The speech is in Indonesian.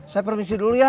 saya permisi dulu ya